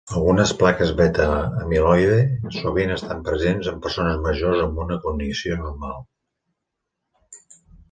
Algunes plaques beta-amiloide sovint estan presents en persones majors amb una cognició normal.